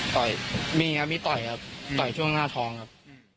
ต่อยมีครับมีต่อยครับต่อยช่วงหน้าท้องครับ